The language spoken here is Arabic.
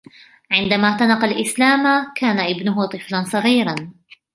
عندما اعتنق الإسلام ، كان ابنه طفلاً صغيراً